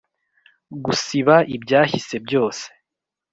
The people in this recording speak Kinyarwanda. gusiba ibyahise byose